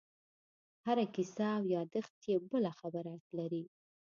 هره کیسه او یادښت یې بله خبره لري.